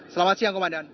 selamat siang komandan